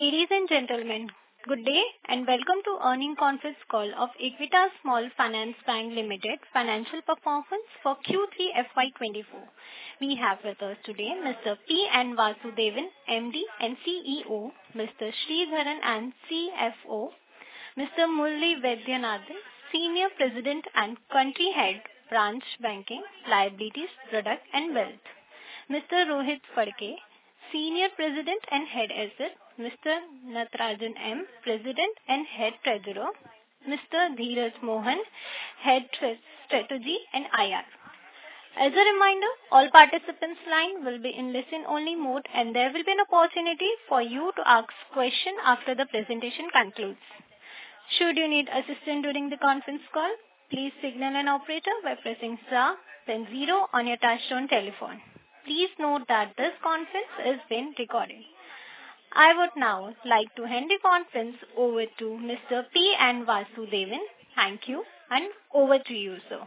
Ladies and gentlemen, good day, and welcome to Earnings Conference Call of Equitas Small Finance Bank Limited Financial Performance for Q3 FY 2024. We have with us today, Mr. P. N. Vasudevan, MD and CEO; Mr. Sridharan N, CFO; Mr. Murali Vaidyanathan, Senior President and Country Head, Branch Banking, Liabilities, Product and Wealth; Mr. Rohit Phadke, Senior President and Head, Assets; Mr. Natarajan M, President and Head, Treasury; Mr. Dheeraj Mohan, Head, Strategy and IR. As a reminder, all participants' lines will be in listen-only mode, and there will be an opportunity for you to ask questions after the presentation concludes. Should you need assistance during the conference call, please signal an operator by pressing star, then zero on your touchtone telephone. Please note that this conference is being recorded. I would now like to hand the conference over to Mr. P. N. Vasudevan. Thank you, and over to you, sir.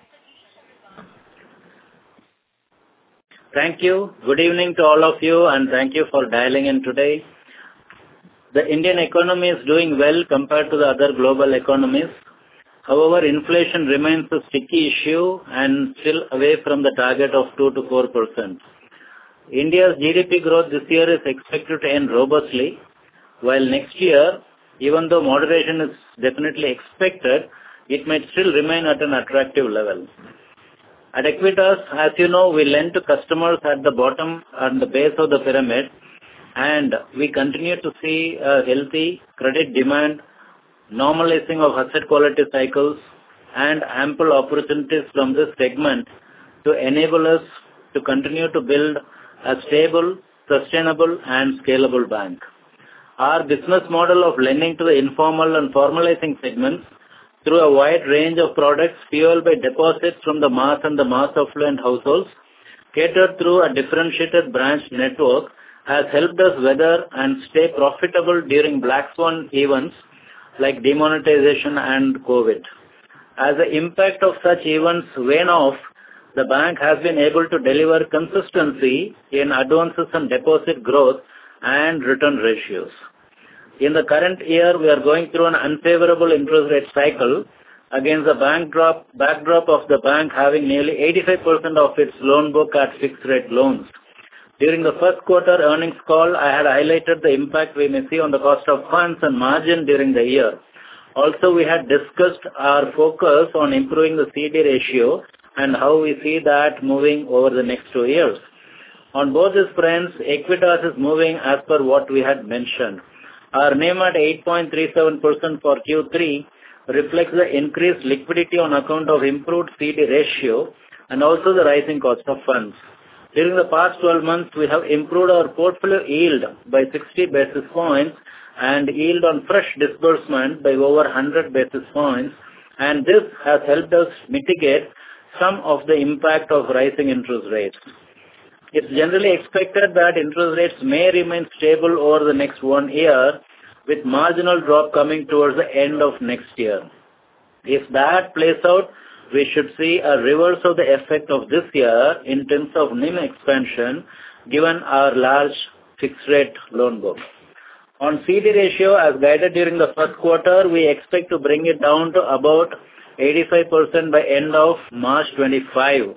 Thank you. Good evening to all of you, and thank you for dialing in today. The Indian economy is doing well compared to the other global economies. However, inflation remains a sticky issue and still away from the target of 2%-4%. India's GDP growth this year is expected to end robustly, while next year, even though moderation is definitely expected, it might still remain at an attractive level. At Equitas, as you know, we lend to customers at the bottom and the base of the pyramid, and we continue to see a healthy credit demand, normalizing of asset quality cycles, and ample opportunities from this segment to enable us to continue to build a stable, sustainable, and scalable bank. Our business model of lending to the informal and formalizing segments through a wide range of products, fueled by deposits from the mass and the mass affluent households, catered through a differentiated branch network, has helped us weather and stay profitable during black swan events like demonetization and COVID. As the impact of such events wane off, the bank has been able to deliver consistency in advances in deposit growth and return ratios. In the current year, we are going through an unfavorable interest rate cycle against the backdrop of the bank having nearly 85% of its loan book at fixed rate loans. During the first quarter earnings call, I had highlighted the impact we may see on the cost of funds and margin during the year. Also, we had discussed our focus on improving the CD ratio and how we see that moving over the next two years. On both these fronts, Equitas is moving as per what we had mentioned. Our NIM at 8.37% for Q3 reflects the increased liquidity on account of improved CD ratio and also the rising cost of funds. During the past 12 months, we have improved our portfolio yield by 60 basis points and yield on fresh disbursement by over 100 basis points, and this has helped us mitigate some of the impact of rising interest rates. It's generally expected that interest rates may remain stable over the next one year, with marginal drop coming towards the end of next year. If that plays out, we should see a reverse of the effect of this year in terms of NIM expansion, given our large fixed rate loan book. On CD ratio, as guided during the first quarter, we expect to bring it down to about 85% by end of March 2025.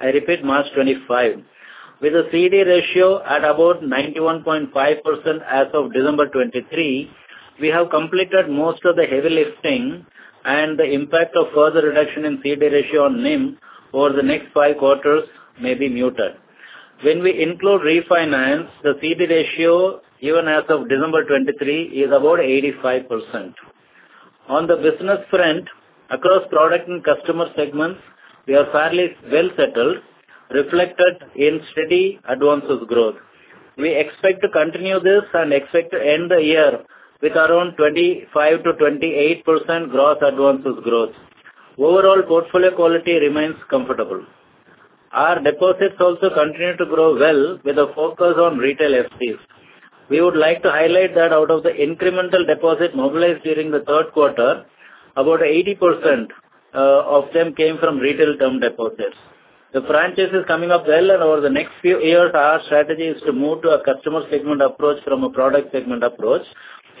I repeat March 2025. With a CD ratio at about 91.5% as of December 2023, we have completed most of the heavy lifting, and the impact of further reduction in CD ratio on NIM over the next five quarters may be muted. When we include refinance, the CD ratio, even as of December 2023, is about 85%. On the business front, across product and customer segments, we are fairly well settled, reflected in steady advances growth. We expect to continue this and expect to end the year with around 25%-28% gross advances growth. Overall, portfolio quality remains comfortable. Our deposits also continue to grow well with a focus on retail TDs. We would like to highlight that out of the incremental deposit mobilized during the third quarter, about 80% of them came from retail term deposits. The franchise is coming up well, and over the next few years, our strategy is to move to a customer segment approach from a product segment approach,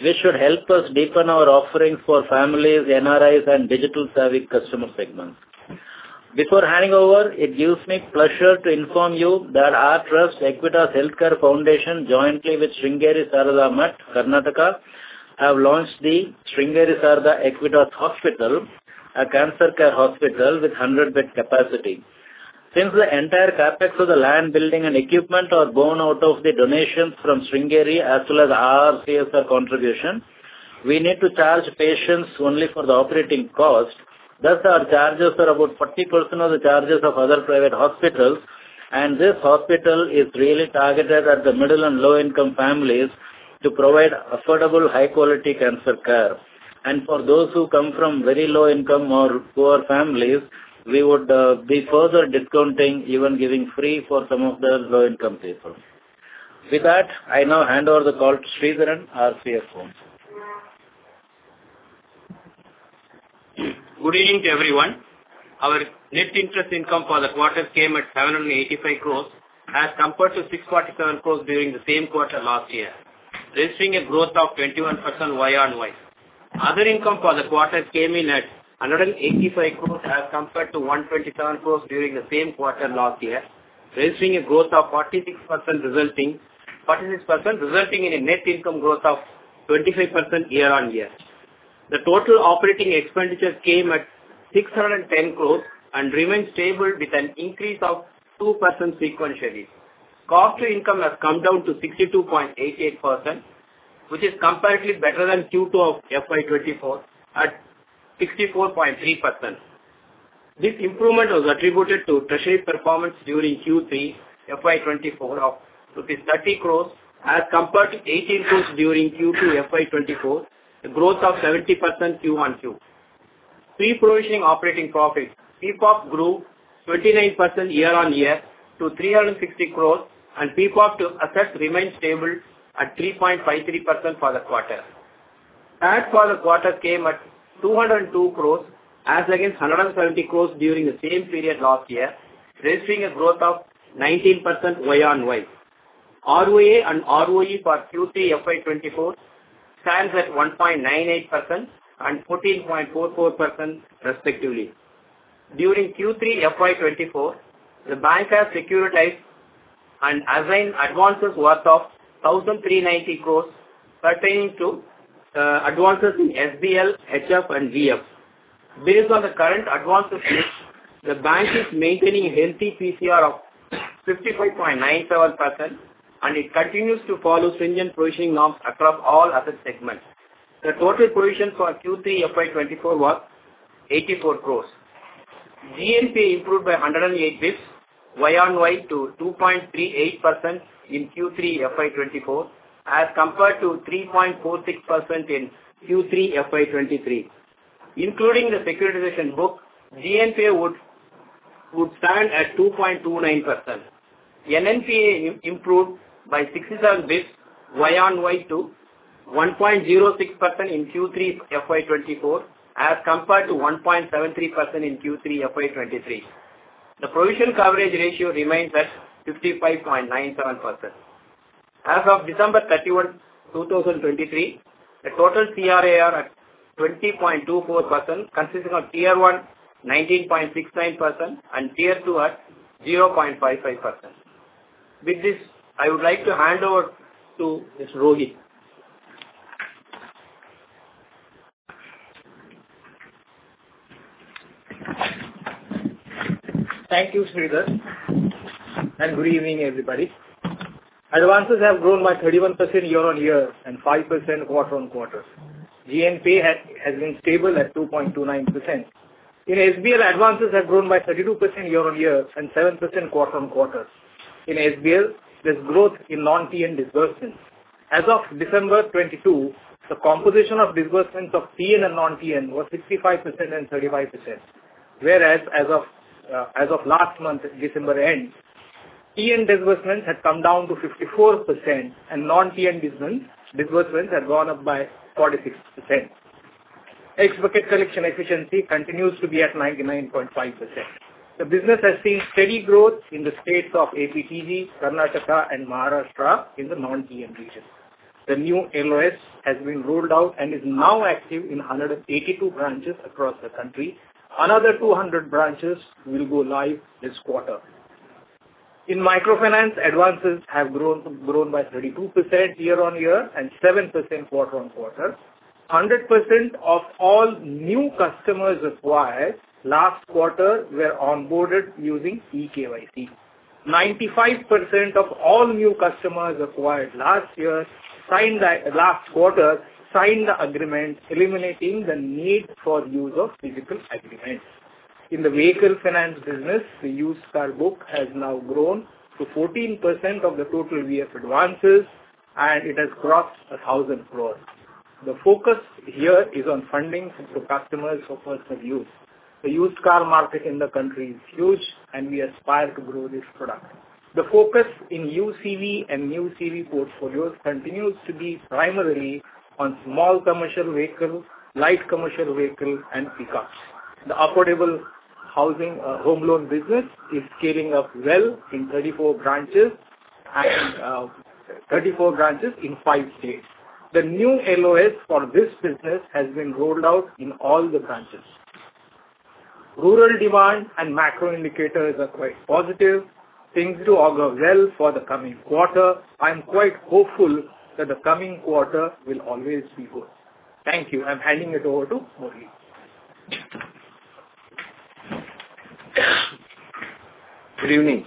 which should help us deepen our offerings for families, NRIs, and digital-savvy customer segments. Before handing over, it gives me pleasure to inform you that our trust, Equitas Healthcare Foundation, jointly with Sringeri Sharada Math, Karnataka, have launched the Sringeri Sharada Equitas Hospital, a cancer care hospital with 100-bed capacity. Since the entire CapEx for the land, building, and equipment are born out of the donations from Sringeri, as well as our CSR contribution, we need to charge patients only for the operating cost. Thus, our charges are about 40% of the charges of other private hospitals, and this hospital is really targeted at the middle and low-income families to provide affordable, high-quality cancer care. And for those who come from very low income or poor families, we would be further discounting, even giving free for some of the low-income BPL. With that, I now hand over the call to Sridharan, our CFO. Good evening to everyone. Our net interest income for the quarter came at 785 crore as compared to 647 crore during the same quarter last year, registering a growth of 21% year-over-year. Other income for the quarter came in at 185 crore as compared to 127 crore during the same quarter last year, registering a growth of 46%, resulting in a net income growth of 25% year-over-year. The total operating expenditure came at 610 crore and remained stable with an increase of 2% sequentially. Cost to income has come down to 62.8%, which is comparatively better than Q2 of FY 2024 at 64.3%. This improvement was attributed to treasury performance during Q3, FY 2024 of rupees 30 crore, as compared to 18 crore during Q2 FY 2024, a growth of 70% QoQ. Pre-provisioning operating profit, PPOP, grew 29% year-on-year to 360 crore, and PPOP to asset remains stable at 3.53% for the quarter. Tax for the quarter came at 202 crore, as against 170 crore during the same period last year, registering a growth of 19% year-on-year. ROA and ROE for Q3 FY 2024 stands at 1.98% and 14.44%, respectively. During Q3 FY 2024, the bank has securitized and assigned advances worth 1,390 crore pertaining to advances in SBL, HF and VF. Based on the current advances, the bank is maintaining a healthy PCR of 55.97%, and it continues to follow stringent provisioning norms across all asset segments. The total provision for Q3 FY 2024 was 84 crore. GNPA improved by 108 basis points year-on-year to 2.38% in Q3 FY 2024, as compared to 3.46% in Q3 FY 2023. Including the securitization book, GNPA would stand at 2.29%. NNPA improved by 67 basis points year-on-year to 1.06% in Q3 FY 2024, as compared to 1.73% in Q3 FY 2023. The provision coverage ratio remains at 55.97%. As of December 31, 2023, the total CRAR at 20.24%, consisting of Tier 1, 19.69% and Tier 2 at 0.55%. With this, I would like to hand over to Mr. Rohit. Thank you, Sridhar, and good evening, everybody. Advances have grown by 31% year on year and 5% quarter on quarter. GNPA has been stable at 2.29%. In SBL, advances have grown by 32% year on year and 7% quarter on quarter. In SBL, there's growth in Non-TN disbursements. As of December 2022, the composition of disbursements of TN and Non-TN was 65% and 35%. Whereas as of last month, December end, TN disbursements had come down to 54% and Non-TN disbursements had gone up by 46%. X bucket collection efficiency continues to be at 99.5%. The business has seen steady growth in the states of APTG, Karnataka and Maharashtra in the Non-TN region. The new LOS has been rolled out and is now active in 182 branches across the country. Another 200 branches will go live this quarter. In microfinance, advances have grown by 32% year-on-year and 7% quarter-on-quarter. 100% of all new customers acquired last quarter were onboarded using eKYC. 95% of all new customers acquired last quarter signed the agreement, eliminating the need for use of physical agreements. In the vehicle finance business, the used car book has now grown to 14% of the total VF advances, and it has crossed 1,000 crore. The focus here is on funding to customers for personal use. The used car market in the country is huge, and we aspire to grow this product. The focus in new CV and new CV portfolios continues to be primarily on small commercial vehicles, light commercial vehicles, and pickups. The affordable housing home loan business is scaling up well in 34 branches and 34 branches in five states. The new LOS for this business has been rolled out in all the branches. Rural demand and macro indicators are quite positive. Things do augur well for the coming quarter. I'm quite hopeful that the coming quarter will always be good. Thank you. I'm handing it over to Murali. Good evening.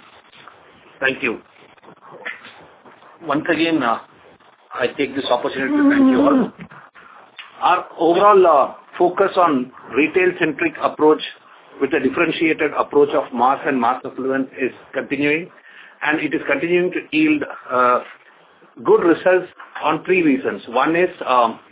Thank you. Once again, I take this opportunity to thank you all. Our overall focus on retail-centric approach with a differentiated approach of mass and mass affluent is continuing, and it is continuing to yield good results on three reasons. One is,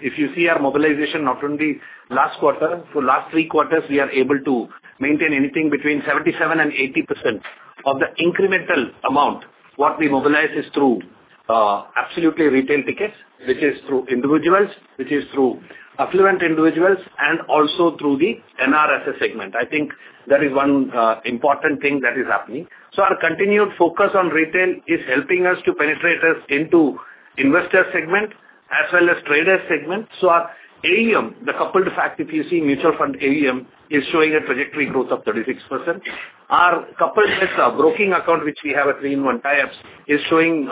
if you see our mobilization, not only last quarter, for last three quarters, we are able to maintain anything between 77% and 80% of the incremental amount, what we mobilize is through absolutely retail tickets, which is through individuals, which is through affluent individuals and also through the NRs segment. I think that is one important thing that is happening. So our continued focus on retail is helping us to penetrate us into investor segment as well as trader segment. So our AUM, the coupled fact, if you see mutual fund AUM, is showing a trajectory growth of 36%. Our coupled with our broking account, which we have a 3-in-1 tie-ups, is showing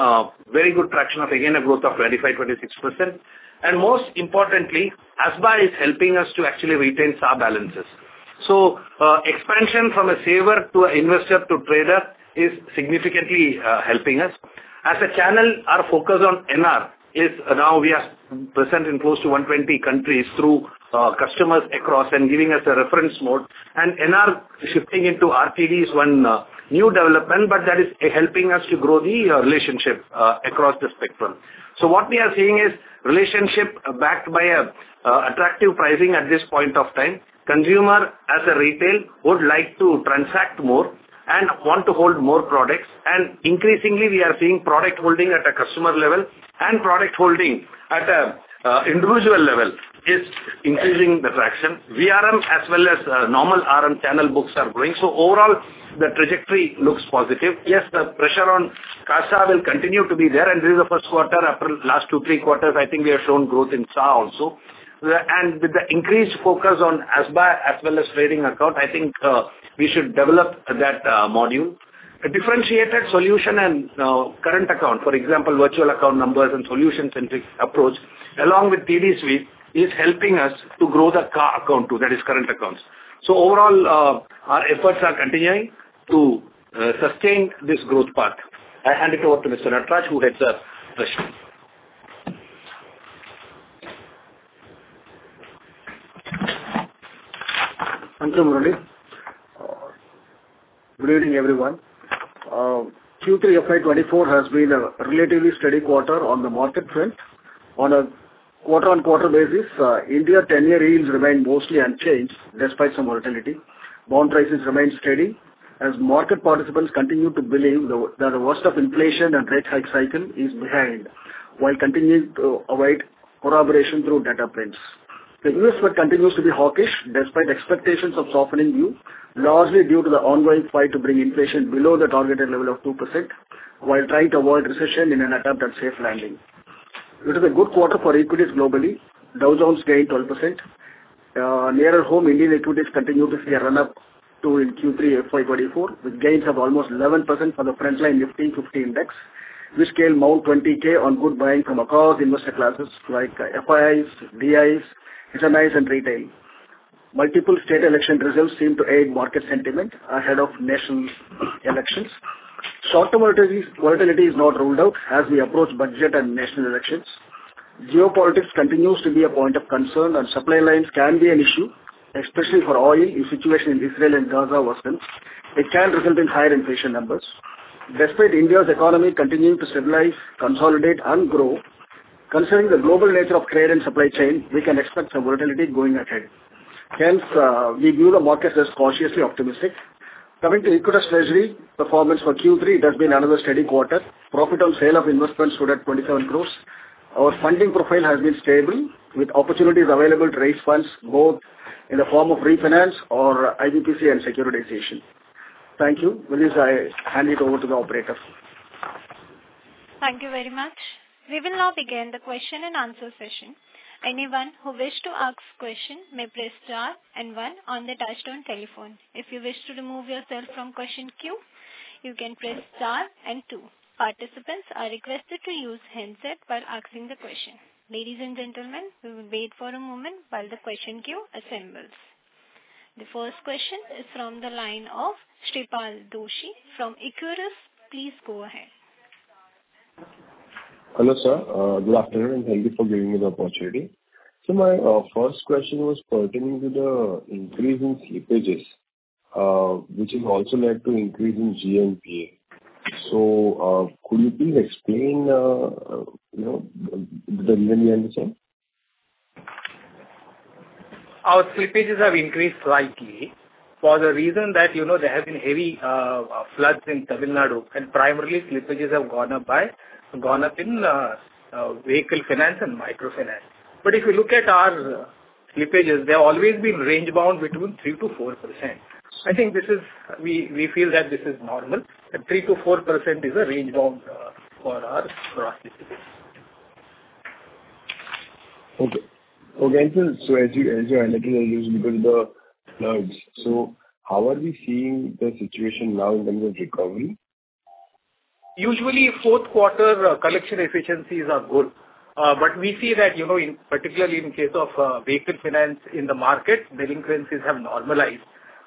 very good traction of, again, a growth of 25-26%. And most importantly, ASBA is helping us to actually retain our balances. So, expansion from a saver to an investor to trader is significantly helping us. As a channel, our focus on NR is now we are present in close to 120 countries through customers across and giving us a reference mode. And NR shifting into RTD is one new development, but that is helping us to grow the relationship across the spectrum. So what we are seeing is relationship backed by an attractive pricing at this point of time. Consumer, as a retail, would like to transact more and want to hold more products. And increasingly, we are seeing product holding at a customer level and product holding at a individual level is increasing the traction. VRM as well as normal RM channel books are growing. So overall, the trajectory looks positive. Yes, the pressure on CASA will continue to be there, and this is the first quarter. After last two, three quarters, I think we have shown growth in CASA also. And with the increased focus on ASBA as well as trading account, I think we should develop that module. A differentiated solution and current account, for example, virtual account numbers and solution-centric approach, along with TB suite, is helping us to grow the CA account too, that is, current accounts. Overall, our efforts are continuing to sustain this growth path. I hand it over to Mr. Natarajan, who heads up the show. Thank you, Murali. Good evening, everyone. Q3 FY 2024 has been a relatively steady quarter on the market front. On a quarter-on-quarter basis, India ten-year yields remain mostly unchanged despite some volatility. Bond prices remain steady as market participants continue to believe that the worst of inflation and rate hike cycle is behind, while continuing to await corroboration through data prints. The U.S. Fed continues to be hawkish despite expectations of softening view, largely due to the ongoing fight to bring inflation below the targeted level of 2%, while trying to avoid recession in an attempt at safe landing. It is a good quarter for equities globally. Dow Jones gained 12%. Nearer home, Indian equities continue to see a run-up, too, in Q3 FY 2024, with gains of almost 11% for the frontline Nifty 50 Index, which scaled 20,000 on good buying from across investor classes like FIIs, DIIs, HNI and retail. Multiple state election results seem to aid market sentiment ahead of national elections. Short-term volatility is not ruled out as we approach budget and national elections. Geopolitics continues to be a point of concern, and supply lines can be an issue, especially for oil. If situation in Israel and Gaza worsens, it can result in higher inflation numbers. Despite India's economy continuing to stabilize, consolidate and grow, considering the global nature of trade and supply chain, we can expect some volatility going ahead. Hence, we view the market as cautiously optimistic. Coming to Equitas Treasury performance for Q3, it has been another steady quarter. Profit on sale of investments stood at 27 crore. Our funding profile has been stable, with opportunities available to raise funds both in the form of refinance or IBPC and securitization. Thank you. With this, I hand it over to the operator. Thank you very much. We will now begin the question and answer session. Anyone who wish to ask question may press star and one on the touchtone telephone. If you wish to remove yourself from question queue, you can press star and two. Participants are requested to use handset while asking the question. Ladies and gentlemen, we will wait for a moment while the question queue assembles. The first question is from the line of Shreepal Doshi from Equirus Securities. Please go ahead. Hello, sir. Good afternoon, and thank you for giving me the opportunity. So my first question was pertaining to the increase in slippages, which has also led to increase in GNPA. So, could you please explain, you know, the reason you understand? Our slippages have increased slightly for the reason that, you know, there have been heavy floods in Tamil Nadu, and primarily slippages have gone up by, gone up in vehicle finance and microfinance. But if you look at our slippages, they have always been range bound between 3%-4%. I think this is. We, we feel that this is normal, and 3%-4% is a range bound for our practices. Okay. Okay, so as you analyzed, because the floods. So how are we seeing the situation now in terms of recovery? Usually, fourth quarter, collection efficiencies are good. But we see that, you know, in particular in case of, vehicle finance in the market, delinquencies have normalized.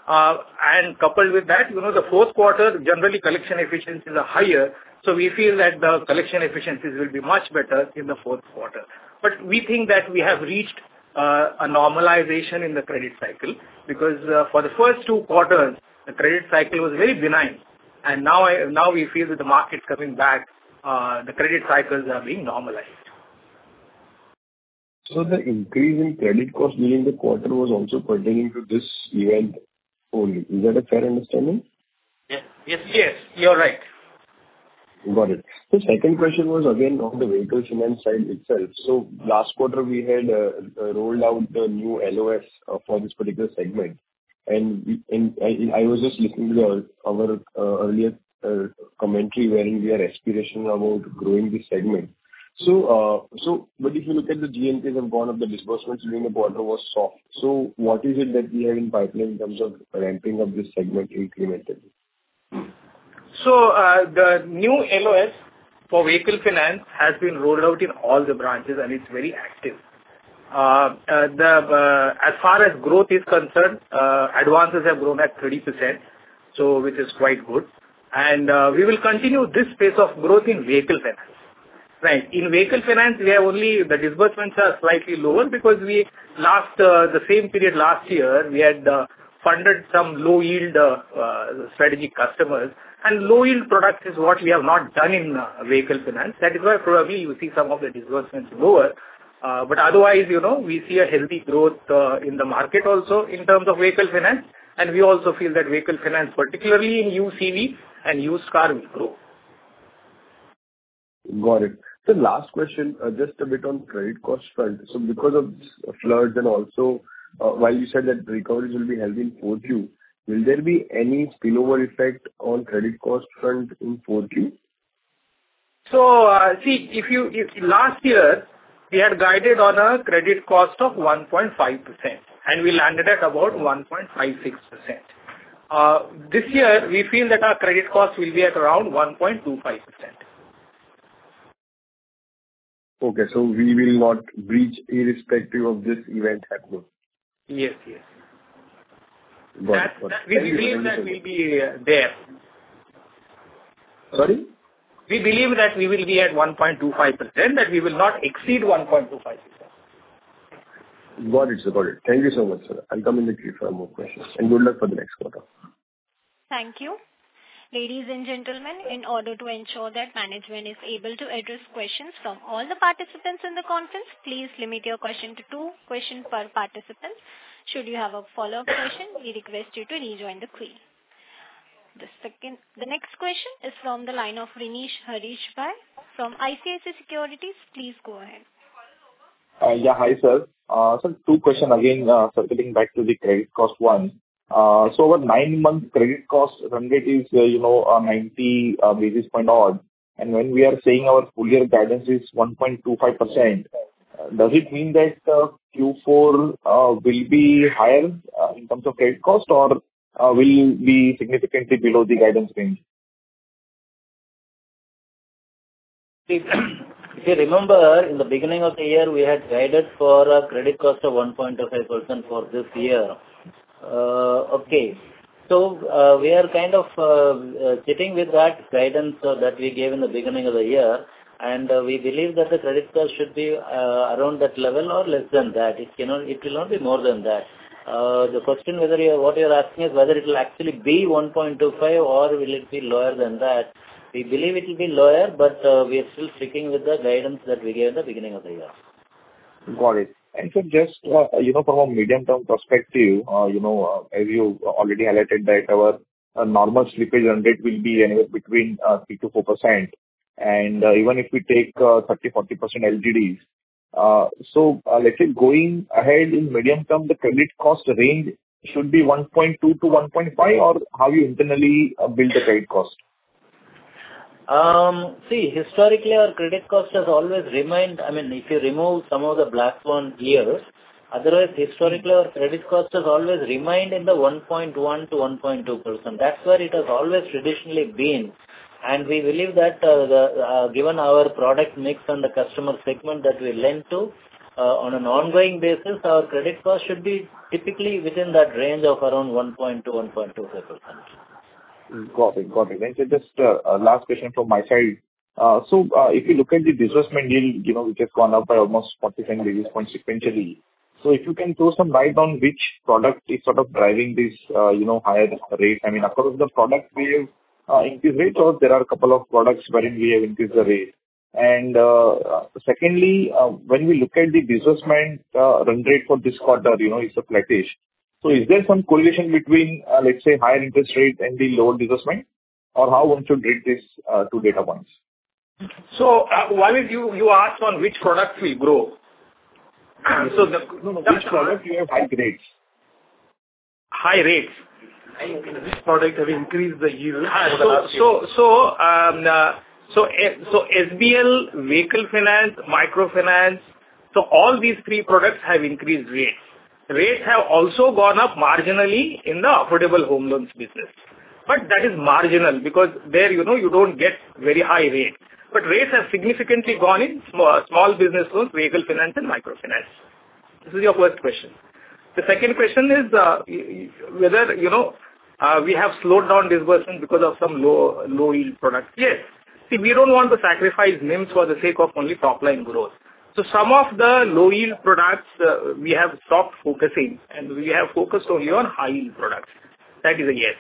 And coupled with that, you know, the fourth quarter, generally, collection efficiencies are higher, so we feel that the collection efficiencies will be much better in the fourth quarter. But we think that we have reached, a normalization in the credit cycle, because, for the first two quarters, the credit cycle was very benign, and now now we feel that the market coming back, the credit cycles are being normalized. .The increase in credit cost during the quarter was also pertaining to this event only. Is that a fair understanding? Yeah. Yes, yes, you're right. Got it. The second question was again on the vehicle finance side itself. So last quarter, we had rolled out the new LOS for this particular segment. And, and I, I was just listening to our, our earlier commentary, wherein we are aspirational about growing this segment. So, so but if you look at the GNPA and one of the disbursements during the quarter was soft, so what is it that we have in pipeline in terms of ramping up this segment incrementally? So, the new LOS for vehicle finance has been rolled out in all the branches, and it's very active. As far as growth is concerned, advances have grown at 30%, so which is quite good. We will continue this pace of growth in vehicle finance. Right. In vehicle finance, we have only the disbursements are slightly lower because the same period last year, we had funded some low-yield strategic customers. Low-yield product is what we have not done in vehicle finance. That is why probably you see some of the disbursements lower. But otherwise, you know, we see a healthy growth in the market also in terms of vehicle finance, and we also feel that vehicle finance, particularly in UCV and used car, will grow. Got it. The last question, just a bit on credit cost front. So because of floods and also, while you said that the recoveries will be held in 4Q, will there be any spillover effect on credit cost front in 4Q? So, see, if last year we had guided on a credit cost of 1.5%, and we landed at about 1.56%. This year, we feel that our credit cost will be at around 1.25%. Okay, so we will not breach irrespective of this event at all? Yes, yes. Got it. We believe that we'll be there. Sorry? We believe that we will be at 1.25%, that we will not exceed 1.25%. Got it. Got it. Thank you so much, sir. I'll come in the queue for more questions, and good luck for the next quarter. Thank you. Ladies and gentlemen, in order to ensure that management is able to address questions from all the participants in the conference, please limit your question to two questions per participant. Should you have a follow-up question, we request you to rejoin the queue. The second. The next question is from the line of Renish Bhuva from ICICI Securities. Please go ahead. Yeah. Hi, sir. So two questions again, circling back to the credit cost one. So over 9-month credit cost run rate is, you know, 90 basis points odd, and when we are saying our full year guidance is 1.25%, does it mean that Q4 will be higher in terms of credit cost or will be significantly below the guidance range? If you remember, in the beginning of the year, we had guided for a credit cost of 1.25% for this year. Okay. So, we are kind of sitting with that guidance that we gave in the beginning of the year, and we believe that the credit score should be around that level or less than that. It cannot, it will not be more than that. The question whether you're, what you're asking is whether it will actually be 1.25 or will it be lower than that? We believe it will be lower, but we are still sticking with the guidance that we gave at the beginning of the year. Got it. Just, you know, from a medium-term perspective, you know, as you already highlighted that our normal slippage run rate will be anywhere between 3%-4%, and even if we take 30%-40% LGDs, so let's say going ahead in medium term, the credit cost range should be 1.2%-1.5%, or how you internally build the credit cost? See, historically, our credit cost has always remained. I mean, if you remove some of the black swan years, otherwise historically our credit costs have always remained in the 1.1%-1.2%. That's where it has always traditionally been. And we believe that, the, given our product mix and the customer segment that we lend to, on an ongoing basis, our credit cost should be typically within that range of around 1%-1.25%. Got it. Got it. And so just a last question from my side. So if you look at the disbursement deal, you know, which has gone up by almost 49 basis points sequentially. So if you can throw some light on which product is sort of driving this, you know, higher rate. I mean, across the product we have increased rates or there are a couple of products wherein we have increased the rate. And secondly, when we look at the disbursement run rate for this quarter, you know, it's a flat-ish. So is there some correlation between, let's say, higher interest rate and the lower disbursement? Or how one should read this two data points? So, one is you, you asked on which product we grow. So the No, no, which product you have high rates? High rates? Which product have increased the yield? SBL, vehicle finance, microfinance, so all these three products have increased rates. Rates have also gone up marginally in the affordable home loans business. But that is marginal because there, you know, you don't get very high rates. But rates have significantly gone in small business loans, vehicle finance, and microfinance. This is your first question. The second question is whether, you know, we have slowed down disbursement because of some low-yield products. Yes. See, we don't want to sacrifice NIMs for the sake of only top-line growth. So some of the low-yield products, we have stopped focusing, and we have focused only on high-yield products. That is a yes.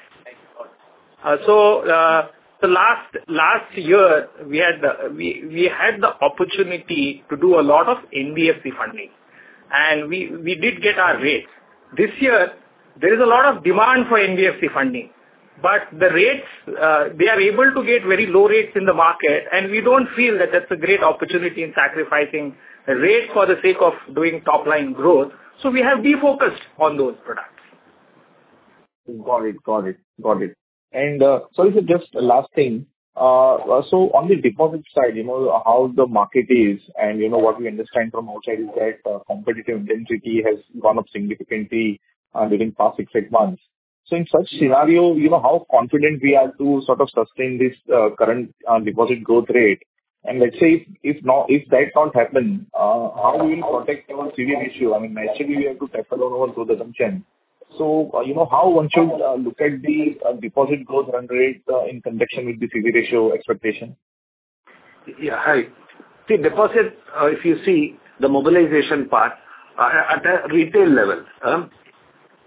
So, the last year, we had the opportunity to do a lot of NBFC funding, and we did get our rates. This year, there is a lot of demand for NBFC funding, but the rates, they are able to get very low rates in the market, and we don't feel that that's a great opportunity in sacrificing rate for the sake of doing top line growth, so we have de-focused on those products. Got it. Got it. Got it. And, so is it just the last thing, so on the deposit side, you know, how the market is, and, you know, what we understand from outside is that, competitive density has gone up significantly, during past 6-8 months. So in such scenario, you know, how confident we are to sort of sustain this, current, deposit growth rate? And let's say, if, now, if that don't happen, how we will protect our CD ratio? I mean, naturally, we have to tackle our growth assumption. So, you know, how one should, look at the, deposit growth run rate, in conjunction with the CD ratio expectation? Yeah, I see, deposit, if you see the mobilization part, at a retail level,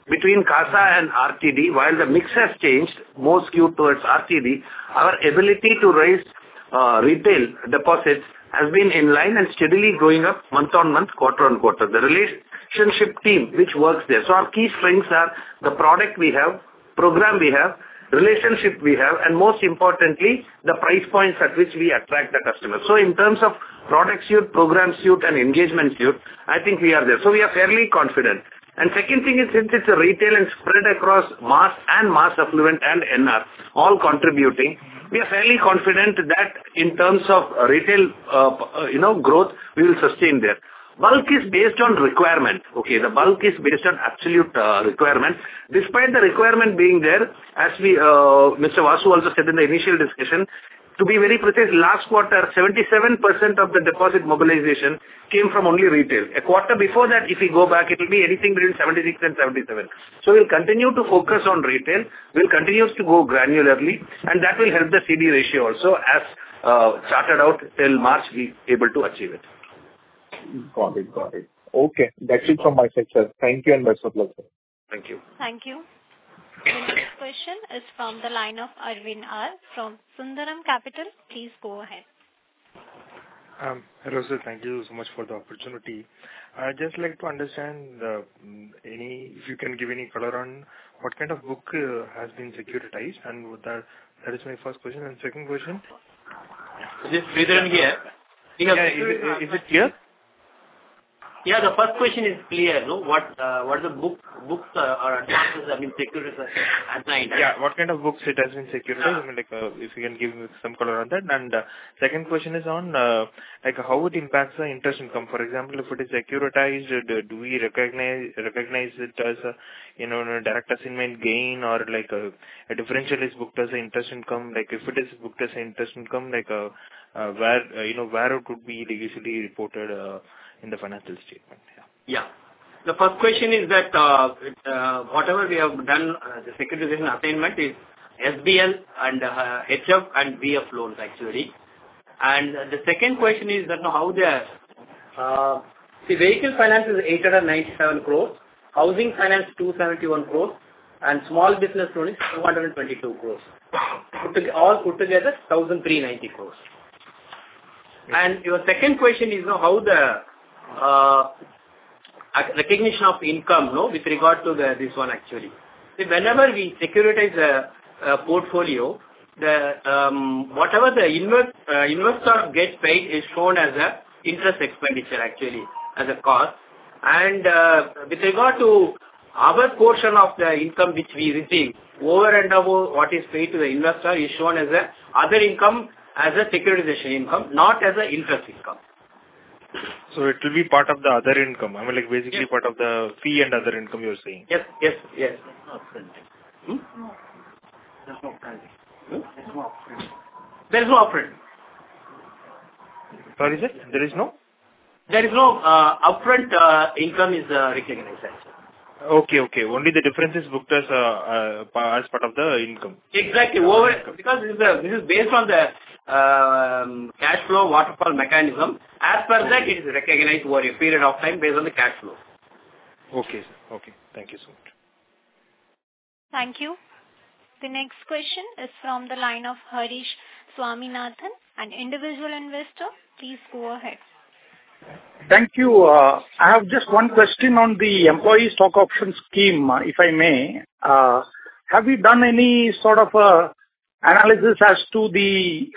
between CASA and RTD, while the mix has changed, more skewed towards RTD, our ability to raise retail deposits has been in line and steadily growing up month on month, quarter on quarter. The relationship team, which works there. So our key strengths are the product we have, program we have, relationship we have, and most importantly, the price points at which we attract the customer. So in terms of product suite, program suite, and engagement suite, I think we are there. So we are fairly confident. And second thing is, since it's a retail and spread across mass and mass affluent and NR, all contributing, we are fairly confident that in terms of retail, you know, growth, we will sustain there. Bulk is based on requirement, okay? The bulk is based on absolute requirement. Despite the requirement being there, as we, Mr. Vasu also said in the initial discussion, to be very precise, last quarter, 77% of the deposit mobilization came from only retail. A quarter before that, if you go back, it will be anything between 76%-77%. So we'll continue to focus on retail. We'll continue to go granularly, and that will help the CD ratio also, as charted out till March, we able to achieve it. Got it. Got it. Okay, that's it from my side, sir. Thank you, and best of luck, sir. Thank you. Thank you. The next question is from the line of Aravind R from Sundaram Alternates. Please go ahead. Hello, sir. Thank you so much for the opportunity. I'd just like to understand if you can give any color on what kind of book has been securitized, and with that, that is my first question, and second question? Is it clear? Yeah. Is it, is it clear? Yeah, the first question is clear, no? What, what are the book, books, or advances have been securitized at night? Yeah, what kind of books it has been securitized? I mean, like, if you can give me some color on that. And, second question is on, like, how it impacts the interest income. For example, if it is securitized, do we recognize it as a, you know, direct assignment gain or, like, a differential is booked as an interest income? Like, if it is booked as an interest income, like, where, you know, where it could be easily reported in the financial statement? Yeah. Yeah. The first question is that, whatever we have done, the securitization attainment is SBL and, HF and VF loans, actually. And the second question is that, how they are. See, vehicle finance is 897 crore, housing finance, 271 crore, and small business loan is 422 crore. Put all together, 1,390 crore. And your second question is, you know, how the recognition of income, no, with regard to this one, actually. See, whenever we securitize the portfolio, whatever the investor gets paid is shown as a interest expenditure, actually, as a cost. With regard to our portion of the income which we receive, over and above what is paid to the investor, is shown as other income, as a securitization income, not as interest income. It will be part of the other income, I mean, like, basically part of the fee and other income, you're saying? Yes, yes, yes. There's no upfront. Hmm? There's no upfront. Hmm? There's no upfront. There's no upfront. Sorry, sir. There is no? There is no upfront income is recognized, actually. Okay, okay. Only the difference is booked as part of the income. Exactly. Over because this is based on the cash flow waterfall mechanism. Okay. As per that, it is recognized over a period of time based on the cash flow. Okay, sir. Okay. Thank you so much. Thank you. The next question is from the line of Harish Swaminathan, an individual investor. Please go ahead. Thank you. I have just one question on the employee stock option scheme, if I may. Have you done any sort of analysis as to the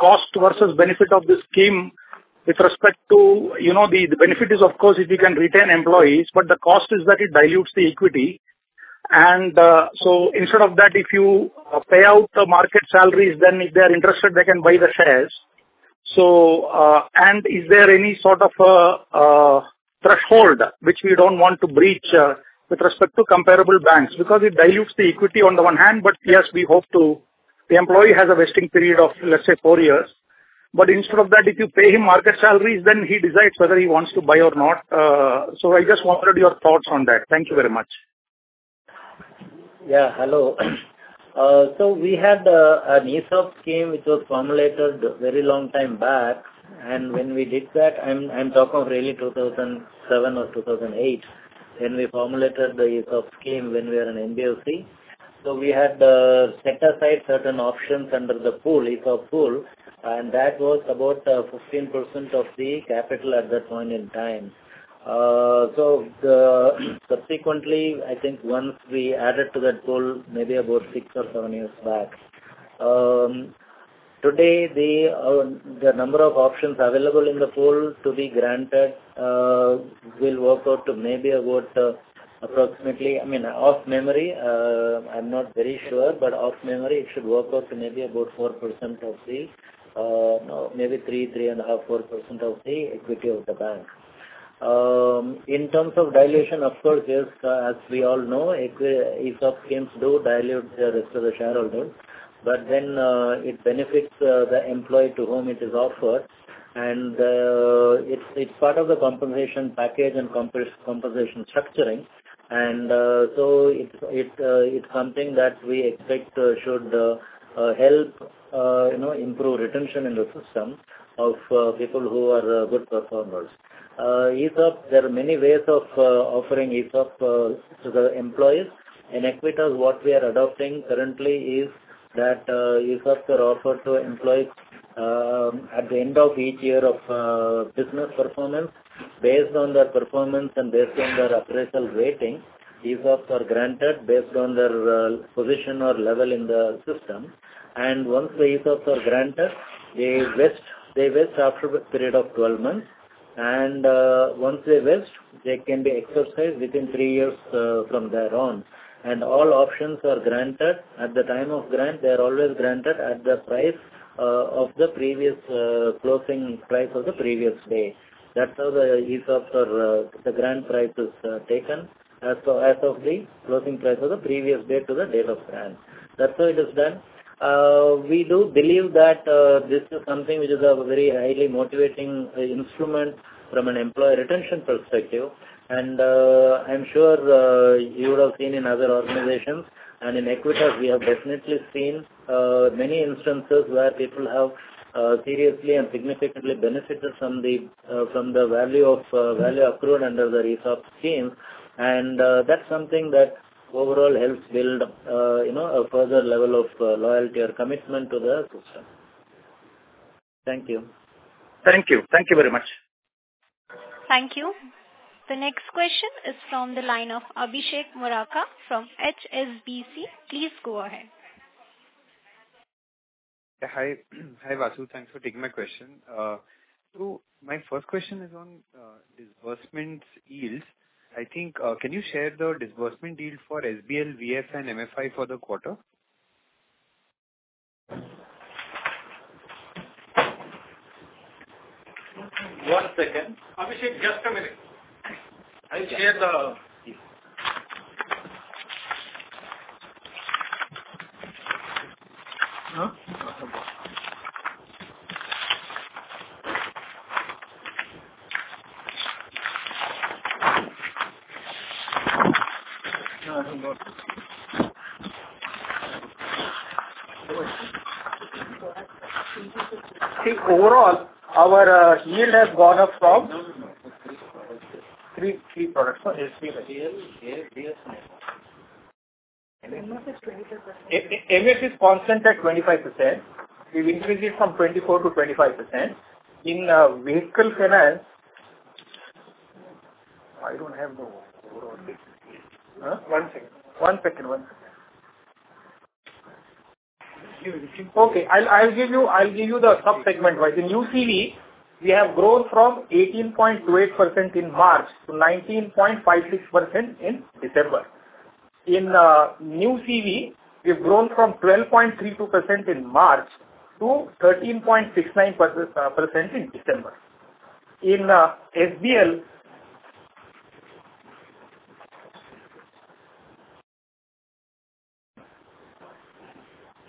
cost versus benefit of this scheme with respect to. You know, the benefit is, of course, if you can retain employees, but the cost is that it dilutes the equity. And so instead of that, if you pay out the market salaries, then if they are interested, they can buy the shares. So and is there any sort of threshold which we don't want to breach with respect to comparable banks? Because it dilutes the equity on the one hand, but yes, we hope to. The employee has a vesting period of, let's say, four years. But instead of that, if you pay him market salaries, then he decides whether he wants to buy or not. So I just wanted your thoughts on that. Thank you very much. Yeah, hello. So we had an ESOP scheme which was formulated very long time back, and when we did that, I'm talking of really 2007 or 2008, when we formulated the ESOP scheme when we are an NBFC. So we had set aside certain options under the pool, ESOP pool, and that was about 15% of the capital at that point in time. So the, subsequently, I think once we added to that pool, maybe about 6 or 7 years back, today, the number of options available in the pool to be granted will work out to maybe about approximately, I mean, off memory, I'm not very sure, but off memory, it should work out to maybe about 4% of the, no, maybe 3, 3.5, 4% of the equity of the bank. In terms of dilution, of course, yes, as we all know, equity, ESOP schemes do dilute the rest of the shareholders, but then it benefits the employee to whom it is offered. It's part of the compensation package and compensation structuring. So it's something that we expect should help, you know, improve retention in the system of P&L who are good performers. ESOP, there are many ways of offering ESOP to the employees. In Equitas, what we are adopting currently is that ESOPs are offered to employees at the end of each year of business performance. Based on their performance and based on their appraisal rating, ESOPs are granted based on their position or level in the system. And once the ESOPs are granted, they vest after a period of 12 months, and once they vest, they can be exercised within 3 years from there on. And all options are granted at the time of grant. They are always granted at the price of the previous closing price of the previous day. That's how the ESOPs are the grant price is taken as of the closing price of the previous day to the date of grant. That's how it is done. We do believe that this is something which is a very highly motivating instrument from an employee retention perspective. And I'm sure you would have seen in other organizations, and in Equitas we have definitely seen many instances where people have seriously and significantly benefited from the value of value accrued under the ESOP scheme. And that's something that overall helps build you know a further level of loyalty or commitment to the system. Thank you. Thank you. Thank you very much. Thank you. The next question is from the line of Abhishek Murarka from HSBC. Please go ahead. Yeah, hi. Hi, Vasu. Thanks for taking my question. So my first question is on disbursement yields. I think can you share the disbursement yield for SBL, VF, and MFI for the quarter? One second. Abhishek, just a minute. I'll share the... See, overall, our yield has gone up from? 3, 3 products. 3, 3 products. SBL, VF, and MFI. MFI is 25%. MFI is constant at 25%. We've increased it from 24%-25%. In vehicle finance, I don't have the overall, One second. One second. One second. Okay, I'll, I'll give you, I'll give you the sub-segment, right? In UCV, we have grown from 18.28% in March to 19.56% in December. In new CV, we've grown from 12.32% in March to 13.69% in December. In SBL.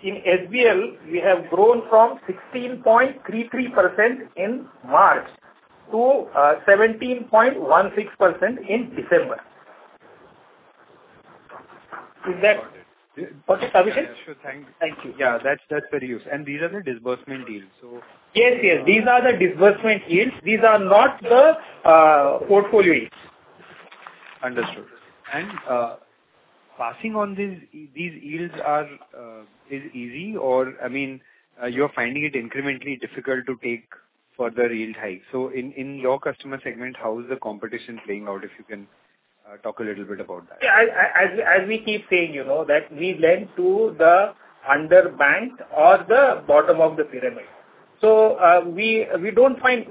In SBL, we have grown from 16.33% in March to 17.16% in December. Is that okay, Abhishek? Sure. Thank you. Thank you. Yeah, that's, that's very useful. And these are the disbursement yields, so Yes, yes, these are the disbursement yields. These are not the portfolio yields. Understood. And, passing on these yields is easy or, I mean, you're finding it incrementally difficult to take further yield hike. So in your customer segment, how is the competition playing out, if you can talk a little bit about that? Yeah, as we keep saying, you know, that we lend to the underbanked or the bottom of the pyramid. So, we don't find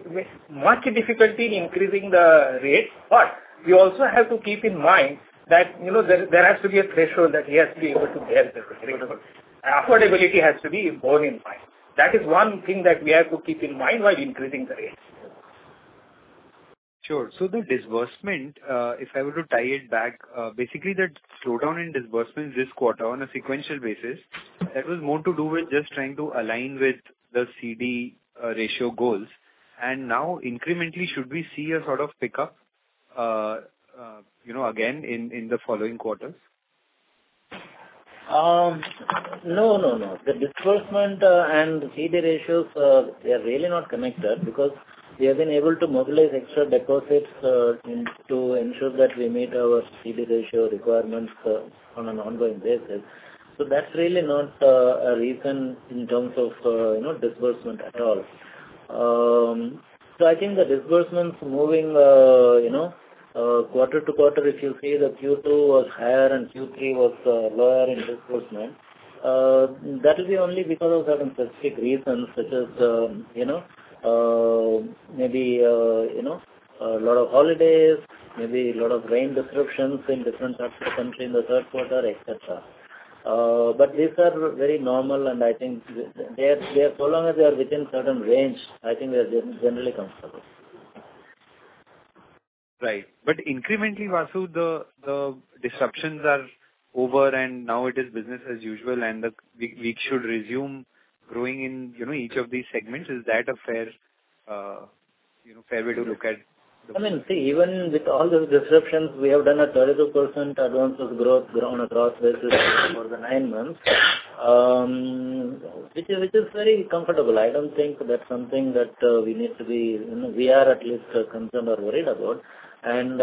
much difficulty in increasing the rate, but we also have to keep in mind that, you know, there has to be a threshold that we have to be able to bear the rate of affordability has to be borne in mind. That is one thing that we have to keep in mind while increasing the rates. Sure. So the disbursement, if I were to tie it back, basically the slowdown in disbursements this quarter on a sequential basis, that was more to do with just trying to align with the CD ratio goals. And now, incrementally, should we see a sort of pickup, you know, again in the following quarters? No, no, no. The disbursement and CD ratios, they are really not connected, because we have been able to mobilize extra deposits in to ensure that we meet our CD ratio requirements on an ongoing basis. So that's really not a reason in terms of you know, disbursement at all. So I think the disbursements moving you know, quarter to quarter, if you see the Q2 was higher and Q3 was lower in disbursement, that will be only because of certain specific reasons such as you know, maybe a lot of holidays, maybe a lot of rain disruptions in different parts of the country in the third quarter, et cetera. But these are very normal, and I think they are, they are, so long as they are within certain range. I think they are generally comfortable. Right. But incrementally, Vasu, the disruptions are over, and now it is business as usual, and we should resume growing in, you know, each of these segments. Is that a fair, you know, fair way to look at the I mean, see, even with all those disruptions, we have done a 32% advance of growth grown across business over the nine months, which is, which is very comfortable. I don't think that's something that, you know, we need to be, we are at least concerned or worried about. And,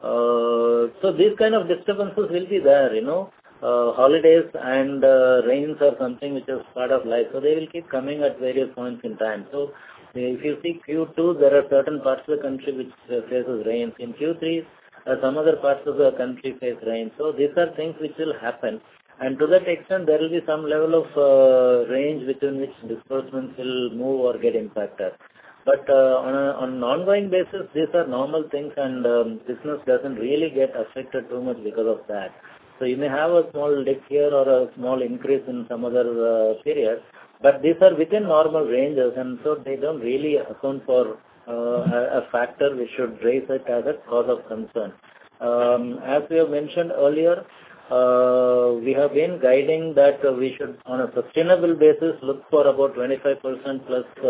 so these kind of disturbances will be there, you know. Holidays and, rains are something which is part of life, so they will keep coming at various points in time. So if you see Q2, there are certain parts of the country which, faces rains. In Q3, some other parts of the country face rain. So these are things which will happen, and to that extent, there will be some level of, range within which disbursements will move or get impacted. But on an ongoing basis, these are normal things, and business doesn't really get affected too much because of that. So you may have a small dip here or a small increase in some other period, but these are within normal ranges, and so they don't really account for a factor which should raise it as a cause of concern. As we have mentioned earlier, we have been guiding that we should, on a sustainable basis, look for about 25%+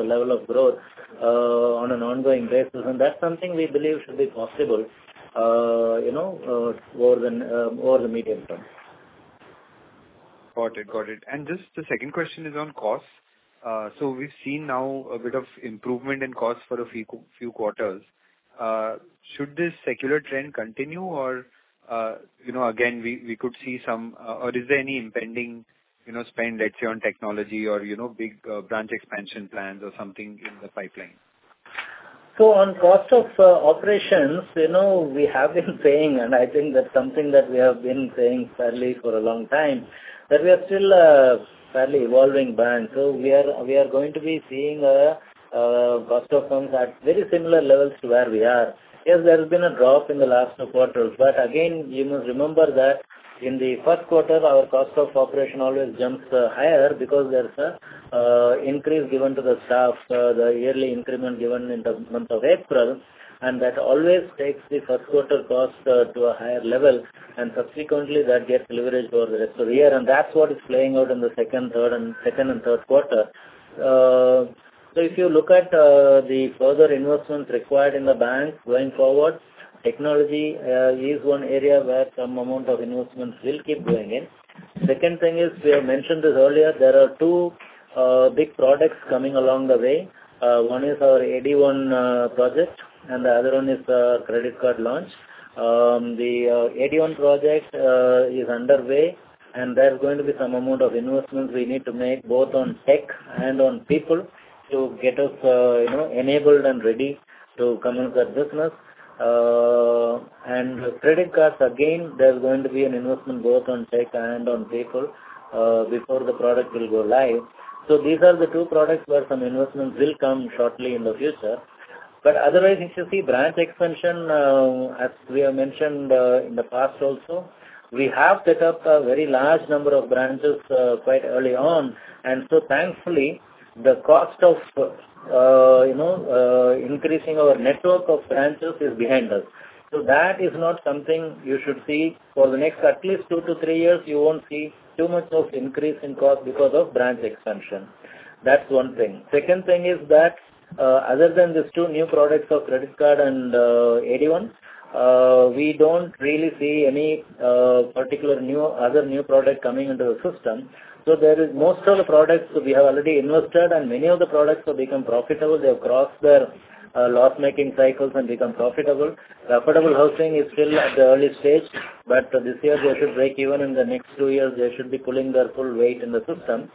level of growth on an ongoing basis, and that's something we believe should be possible, you know, over the medium term. Got it. Got it. Just the second question is on cost. So we've seen now a bit of improvement in cost for a few quarters. Should this secular trend continue or, you know, again, we could see some or is there any impending, you know, spend, let's say, on technology or, you know, big branch expansion plans or something in the pipeline? So on cost of operations, you know, we have been saying, and I think that's something that we have been saying fairly for a long time, that we are still a fairly evolving bank, so we are, we are going to be seeing a cost of funds at very similar levels to where we are. Yes, there has been a drop in the last two quarters, but again, you must remember that in the first quarter, our cost of operation always jumps higher because there's a increase given to the staff, the yearly increment given in the month of April, and that always takes the first quarter cost to a higher level, and subsequently, that gets levered over the rest of the year, and that's what is playing out in the second, third, and second and third quarter. So if you look at the further investments required in the bank going forward, technology is one area where some amount of investments will keep going in. Second thing is, we have mentioned this earlier, there are two big products coming along the way. One is our AD-I project, and the other one is the credit card launch. The AD-I project is underway, and there's going to be some amount of investments we need to make, both on tech and on people to get us, you know, enabled and ready to commence our business. And credit cards, again, there's going to be an investment both on tech and on people before the product will go live. So these are the two products where some investments will come shortly in the future. But otherwise, if you see branch expansion, as we have mentioned in the past also, we have set up a very large number of branches quite early on, and so thankfully, the cost of you know increasing our network of branches is behind us. So that is not something you should see for the next at least 2-3 years. You won't see too much of increase in cost because of branch expansion. That's one thing. Second thing is that other than these two new products of credit card and AD-I, we don't really see any particular new other new product coming into the system. So there is most of the products we have already invested, and many of the products have become profitable. They have crossed their loss-making cycles and become profitable. The Affordable Housing is still at the early stage, but this year they should break even. In the next two years, they should be pulling their full weight in the system.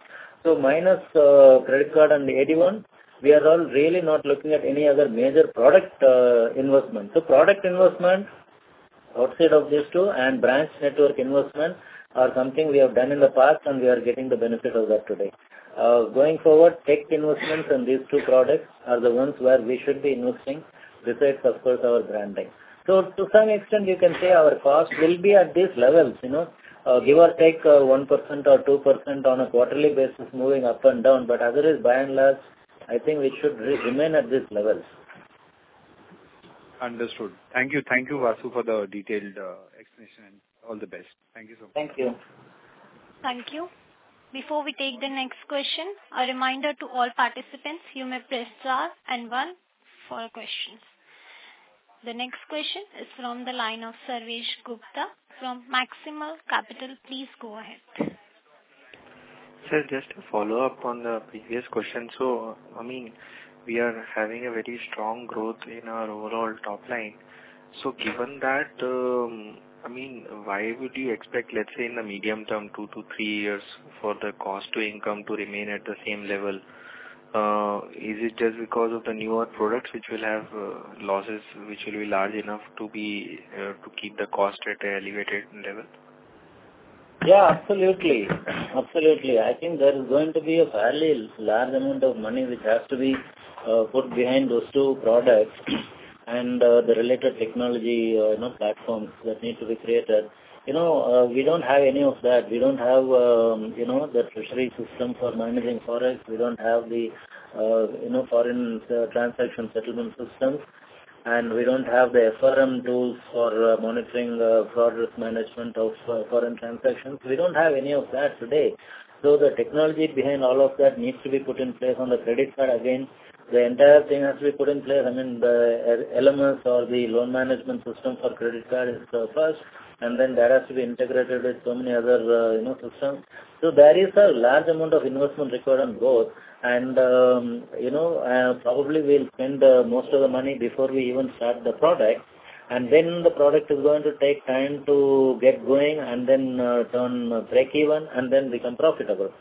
So minus Credit Card and AD-I, we are all really not looking at any other major product investment. So product investment, outside of these two, and branch network investment are something we have done in the past, and we are getting the benefit of that today. Going forward, tech investments in these two products are the ones where we should be investing, besides, of course, our branding. To some extent, you can say our cost will be at these levels, you know, give or take, 1% or 2% on a quarterly basis, moving up and down, but as it is, by and large, I think we should remain at this level. Understood. Thank you. Thank you, Vasu, for the detailed explanation, and all the best. Thank you so much. Thank you. Thank you. Before we take the next question, a reminder to all participants, you may press star and one for questions. The next question is from the line of Sarvesh Gupta from Maximal Capital. Please go ahead. Sir, just to follow up on the previous question. So, I mean, we are having a very strong growth in our overall top line. So given that, I mean, why would you expect, let's say, in the medium term, two to three years, for the cost to income to remain at the same level? Is it just because of the newer products which will have, losses which will be large enough to be, to keep the cost at a elevated level? Yeah, absolutely. Absolutely. I think there is going to be a fairly large amount of money which has to be put behind those two products and the related technology, you know, platforms that need to be created. You know, we don't have any of that. We don't have, you know, the treasury system for managing forex. We don't have the, you know, foreign transaction settlement systems, and we don't have the FRM tools for monitoring fraud risk management of foreign transactions. We don't have any of that today. So the technology behind all of that needs to be put in place on the credit card. Again, the entire thing has to be put in place. I mean, the LMS or the loan management system for credit card is the first, and then that has to be integrated with so many other, you know, systems. So there is a large amount of investment required on both. And, you know, probably we'll spend most of the money before we even start the product, and then the product is going to take time to get going and then turn breakeven and then become profitable.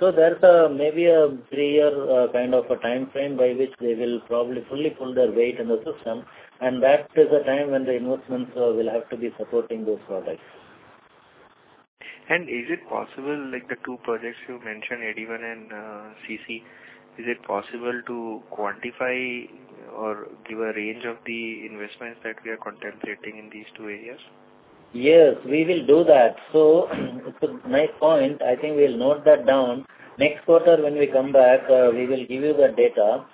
So there's a maybe a three-year kind of a timeframe by which they will probably fully pull their weight in the system, and that is the time when the investments will have to be supporting those products. Is it possible, like the two projects you mentioned, AD-I and CC, is it possible to quantify or give a range of the investments that we are contemplating in these two areas? Yes, we will do that. So it's a nice point. I think we'll note that down. Next quarter when we come back, we will give you the data.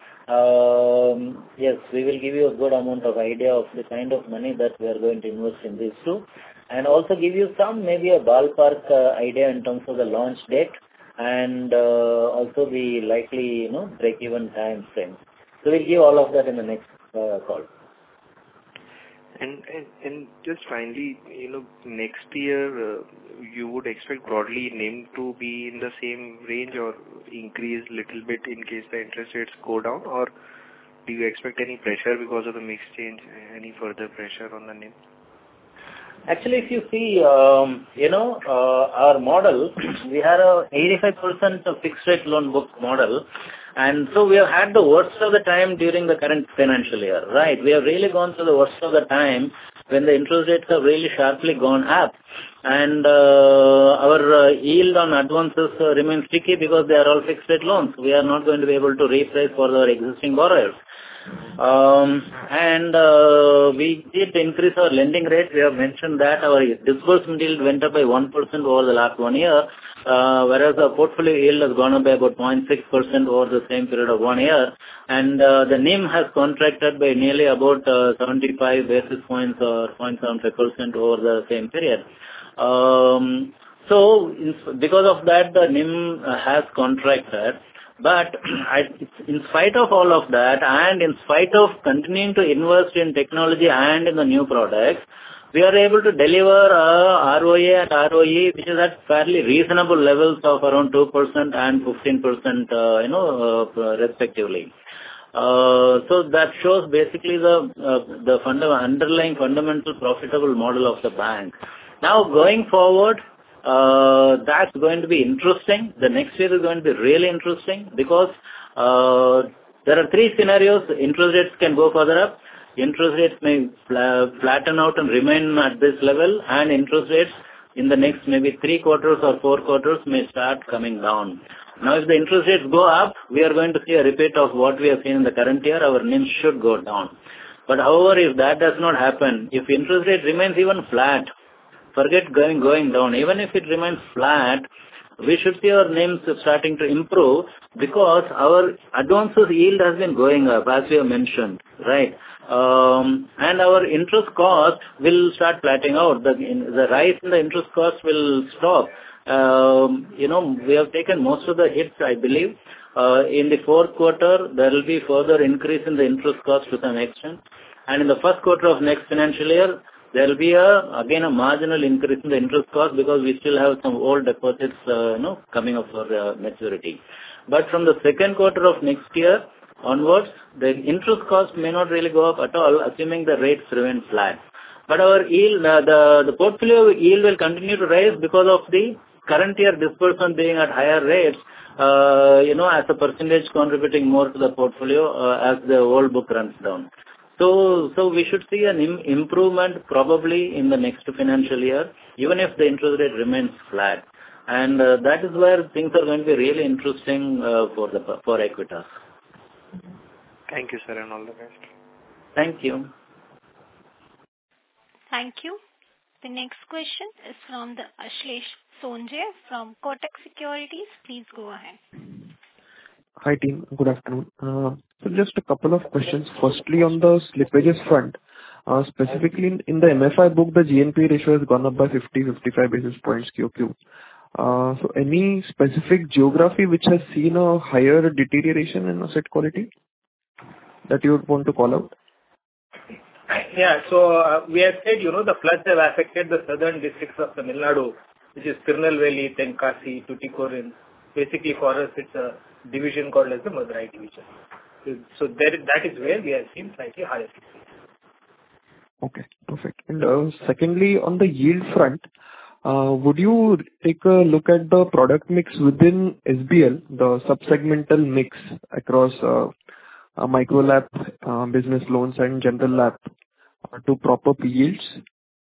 Yes, we will give you a good amount of idea of the kind of money that we are going to invest in these two, and also give you some maybe a ballpark idea in terms of the launch date and also the likely, you know, breakeven time frame. So we'll give all of that in the next call. And just finally, you know, next year, you would expect broadly NIM to be in the same range or increase little bit in case the interest rates go down? Or do you expect any pressure because of the mix change, any further pressure on the NIM? Actually, if you see, you know, our model, we had a 85% of fixed rate loan book model, and so we have had the worst of the time during the current financial year, right? We have really gone through the worst of the time when the interest rates have really sharply gone up. And, our yield on advances remain sticky because they are all fixed rate loans. We are not going to be able to reprice for our existing borrowers. And, we did increase our lending rate. We have mentioned that our disbursement yield went up by 1% over the last 1 year, whereas our portfolio yield has gone up by about 0.6% over the same period of 1 year. The NIM has contracted by nearly about 75 basis points or 0.75% over the same period. So in, because of that, the NIM has contracted. But I... In spite of all of that, and in spite of continuing to invest in technology and in the new products, we are able to deliver ROA and ROE, which is at fairly reasonable levels of around 2% and 15%, you know, respectively. So that shows basically the underlying fundamental profitable model of the bank. Now, going forward, that's going to be interesting. The next year is going to be really interesting because there are three scenarios. Interest rates can go further up, interest rates may flatten out and remain at this level, and interest rates in the next maybe three quarters or four quarters may start coming down. Now, as the interest rates go up, we are going to see a repeat of what we have seen in the current year. Our NIMs should go down. But however, if that does not happen, if interest rate remains even flat, forget going down, even if it remains flat, we should see our NIMs starting to improve because our advances yield has been going up, as we have mentioned, right? And our interest cost will start flattening out. The, the rise in the interest cost will stop. You know, we have taken most of the hits, I believe. In the fourth quarter, there will be further increase in the interest cost to some extent. And in the first quarter of next financial year, there will be again a marginal increase in the interest cost because we still have some old deposits, you know, coming up for maturity. But from the second quarter of next year onwards, the interest cost may not really go up at all, assuming the rates remain flat. But our yield, the portfolio yield will continue to rise because of the current year disbursement being at higher rates, you know, as a percentage, contributing more to the portfolio, as the old book runs down. So we should see an improvement probably in the next financial year, even if the interest rate remains flat. That is where things are going to be really interesting for Equitas. Thank you, sir, and all the best. Thank you. Thank you. The next question is from Ashlesh Sonje from Kotak Securities. Please go ahead. Hi, team. Good afternoon. Just a couple of questions. Firstly, on the slippages front, specifically in, in the MFI book, the GNPA ratio has gone up by 55 basis points QOQ. Any specific geography which has seen a higher deterioration in asset quality that you would want to call out? Yeah. So, we have said, you know, the floods have affected the southern districts of Tamil Nadu, which is Tirunelveli, Tenkasi, Tuticorin. Basically, for us, it's a division called as the Madurai division. So, there, that is where we have seen slightly higher. Okay, perfect. Secondly, on the yield front, would you take a look at the product mix within SBL, the sub-segmental mix across a micro LAP, business loans and general LAP to proper yields?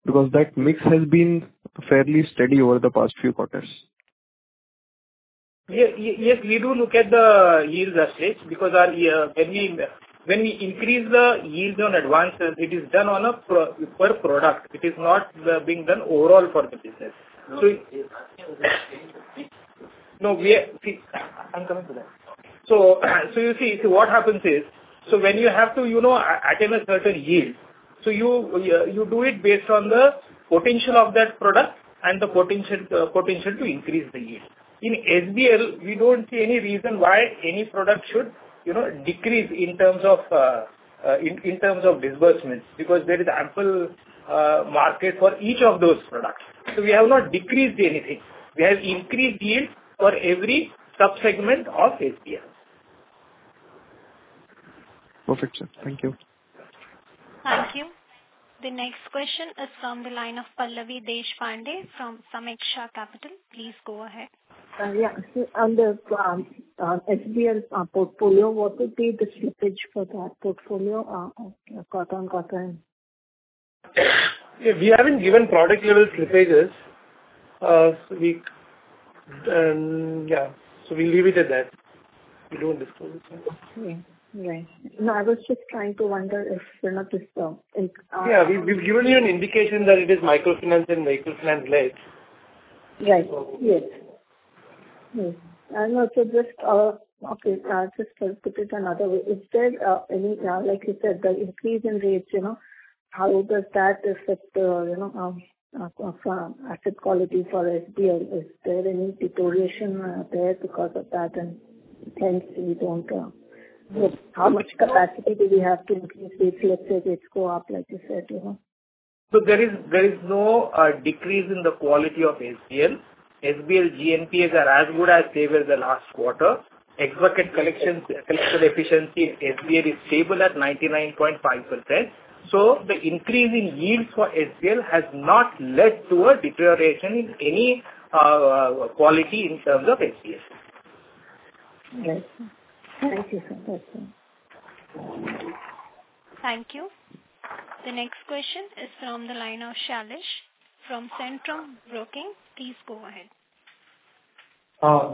Because that mix has been fairly steady over the past few quarters. Yes, we do look at the yields as such, because our when we increase the yields on advances, it is done on a per product. It is not being done overall for the business. No, see, I'm coming to that. So you see, so what happens is, so when you have to, you know, attain a certain yield, so you do it based on the potential of that product and the potential to increase the yield. In SBL, we don't see any reason why any product should, you know, decrease in terms of disbursements, because there is ample market for each of those products. So we have not decreased anything. We have increased yields for every sub-segment of SBL. Perfect, sir. Thank you. Thank you. The next question is from the line of Pallavi Deshpande from Sameeksha Capital. Please go ahead. Yeah. So on the SBL portfolio, what would be the slippage for that portfolio on quarter on quarter? We haven't given product level slippages, so we, yeah, so we'll leave it at that. We don't disclose that. Okay. Right. No, I was just trying to wonder if, you know, this, like, Yeah, we've given you an indication that it is microfinance and microfinance led. Right. Yes. Hmm. And also just, okay, just to put it another way, is there any, like you said, the increase in rates, you know, how does that affect, you know, for asset quality for SBL? Is there any deterioration there because of that, and hence we don't. How much capacity do we have to increase the ECL if rates go up, like you said, you know? There is no decrease in the quality of SBL. SBL GNPAs are as good as they were the last quarter. Effective collections, collection efficiency in SBL is stable at 99.5%, so the increase in yields for SBL has not led to a deterioration in any quality in terms of SBL. Yes. Thank you, sir. Thank you. Thank you. The next question is from the line of Shailesh from Centrum Broking. Please go ahead.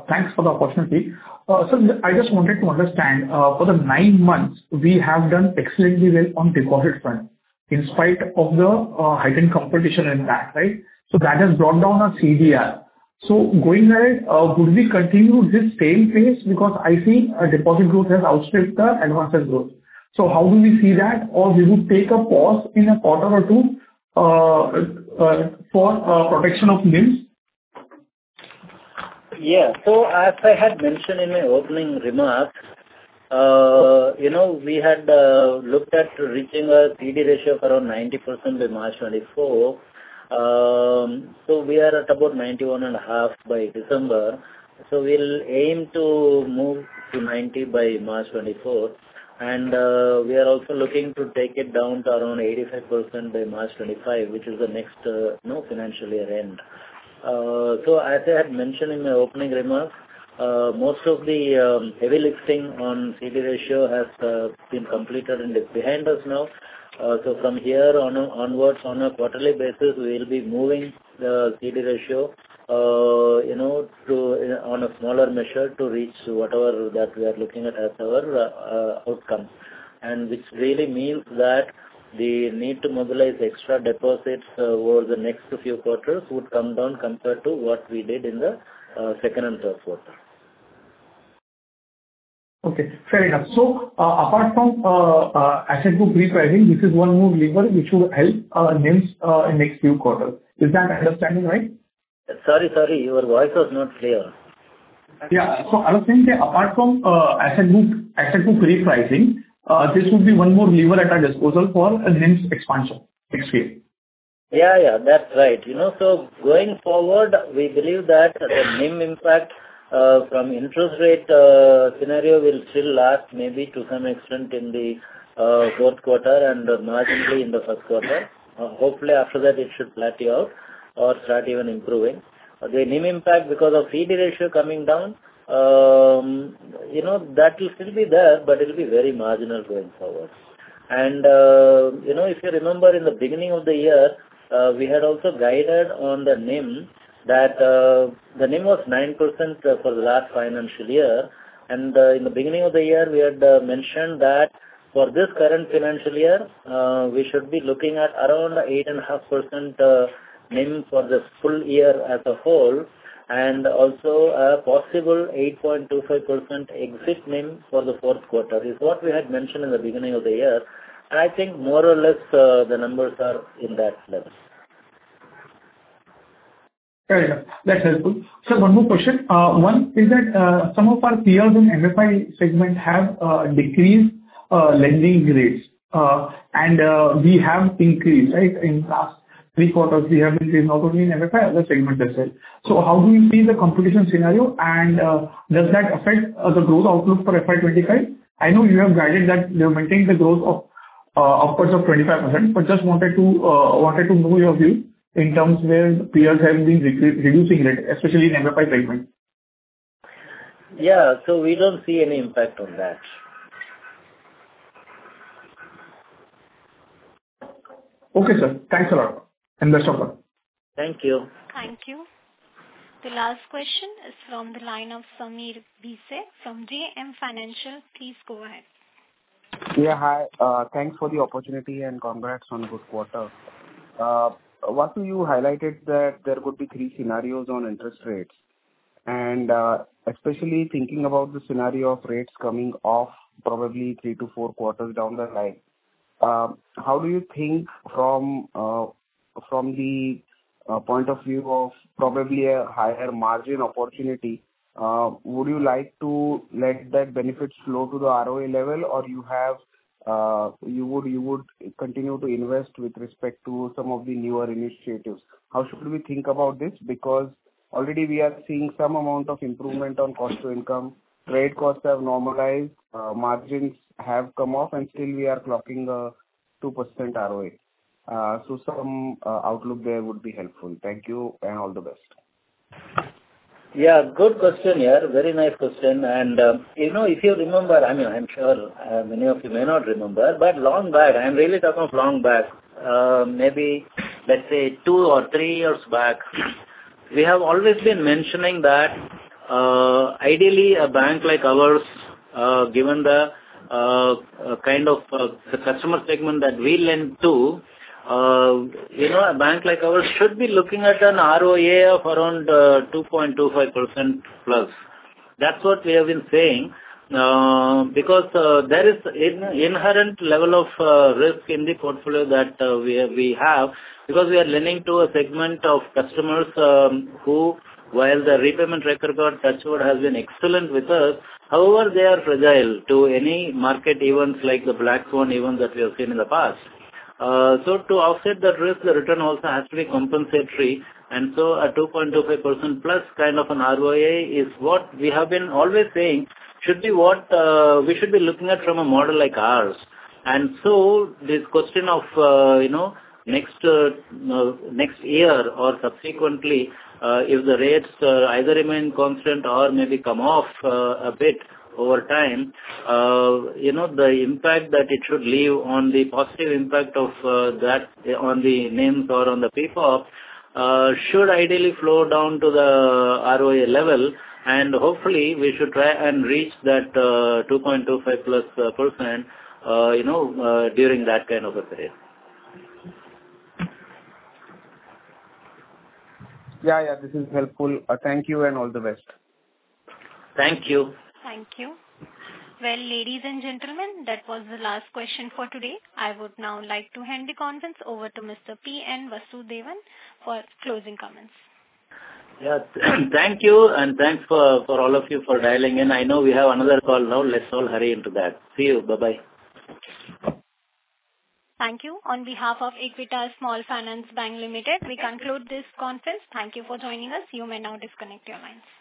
Thanks for the opportunity. So I just wanted to understand, for the nine months, we have done exceedingly well on deposit front, in spite of the heightened competition and that, right? So that has brought down our CDR. So going ahead, could we continue this same pace? Because I see our deposit growth has outstripped the advances growth. So how do we see that? Or will we take a pause in a quarter or two, for protection of NIMs? Yeah. So as I had mentioned in my opening remarks, you know, we had looked at reaching a CD ratio of around 90% by March 2024. So we are at about 91.5 by December, so we'll aim to move to 90 by March 2024. And we are also looking to take it down to around 85% by March 2025, which is the next, you know, financial year end. So as I had mentioned in my opening remarks, most of the heavy lifting on CD ratio has been completed and is behind us now. So from here on, onwards, on a quarterly basis, we will be moving the CD ratio, you know, to on a smaller measure to reach whatever that we are looking at as our outcome. Which really means that the need to mobilize extra deposits over the next few quarters would come down compared to what we did in the second and third quarter. Okay, fair enough. So, apart from asset book repricing, this is one more lever which should help NIMs in next few quarters. Is that understanding right? Sorry, sorry, your voice was not clear. Yeah. So I was saying that apart from asset book, asset book repricing, this would be one more lever at our disposal for a NIMs expansion, scale. Yeah, yeah, that's right. You know, so going forward, we believe that the NIM impact from interest rate scenario will still last maybe to some extent in the fourth quarter and marginally in the first quarter. Hopefully after that, it should plateau out or start even improving. The NIM impact because of CD ratio coming down, you know, that will still be there, but it'll be very marginal going forward. And, you know, if you remember in the beginning of the year, we had also guided on the NIM that the NIM was 9% for the last financial year. In the beginning of the year, we had mentioned that for this current financial year, we should be looking at around 8.5% NIM for the full year as a whole, and also a possible 8.25% exit NIM for the fourth quarter, is what we had mentioned in the beginning of the year, and I think more or less, the numbers are in that level. Got it, that's helpful. Sir, one more question. One is that some of our peers in MFI segment have decreased lending rates, and we have increased, right? In last three quarters, we have increased not only in MFI, other segment as well. So how do you see the competition scenario, and does that affect the growth outlook for FY 2025? I know you have guided that you are maintaining the growth of upwards of 25%, but just wanted to know your view in terms where peers have been reducing rate, especially in MFI segment. Yeah. So we don't see any impact on that. Okay, sir. Thanks a lot, and best of luck. Thank you. Thank you. The last question is from the line of Sameer Bhise from JM Financial. Please go ahead. Yeah, hi. Thanks for the opportunity and congrats on good quarter. Vasu, you highlighted that there could be three scenarios on interest rates, and especially thinking about the scenario of rates coming off probably three to four quarters down the line, how do you think from the point of view of probably a higher margin opportunity, would you like to let that benefit flow to the ROA level, or you have, you would, you would continue to invest with respect to some of the newer initiatives? How should we think about this? Because already we are seeing some amount of improvement on cost to income, credit costs have normalized, margins have come off, and still we are clocking 2% ROA. So some outlook there would be helpful. Thank you, and all the best. Yeah, good question, yeah, very nice question. And, you know, if you remember, I mean, I'm sure, many of you may not remember, but long back, I'm really talking of long back, maybe, let's say two or three years back, we have always been mentioning that, ideally, a bank like ours, given the, kind of, the customer segment that we lend to, you know, a bank like ours should be looking at an ROA of around, 2.25%+. That's what we have been saying, because there is inherent level of risk in the portfolio that we have, because we are lending to a segment of customers, who, while the repayment record, touch wood, has been excellent with us, however, they are fragile to any market events like the black swan event that we have seen in the past. So to offset that risk, the return also has to be compensatory, and so a 2.25%+ kind of an ROA is what we have been always saying should be what we should be looking at from a model like ours. This question of, you know, next year or subsequently, if the rates either remain constant or maybe come off a bit over time, you know, the impact that it should leave on the positive impact of that on the NIMs or on the people should ideally flow down to the ROA level, and hopefully, we should try and reach that 2.25%+, you know, during that kind of a period. Yeah, yeah, this is helpful. Thank you, and all the best. Thank you. Thank you. Well, ladies and gentlemen, that was the last question for today. I would now like to hand the conference over to Mr. P. N. Vasudevan for closing comments. Yeah, thank you, and thanks for all of you for dialing in. I know we have another call now. Let's all hurry into that. See you. Bye-bye. Thank you. On behalf of Equitas Small Finance Bank Limited, we conclude this conference. Thank you for joining us. You may now disconnect your lines.